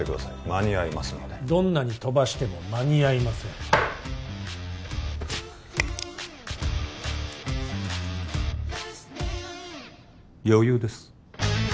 間に合いますのでどんなに飛ばしても間に合いません余裕です